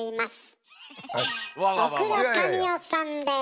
奥田民生さんです。